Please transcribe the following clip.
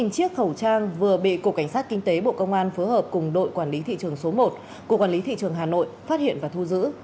một mươi chiếc khẩu trang vừa bị cục cảnh sát kinh tế bộ công an phối hợp cùng đội quản lý thị trường số một cục quản lý thị trường hà nội phát hiện và thu giữ